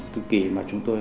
cực kỳ mà chúng tôi